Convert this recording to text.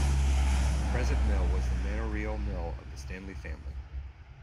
The present mill was the manorial mill of the Stanley family.